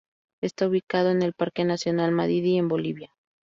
Está ubicado en el Parque nacional Madidi en Bolivia.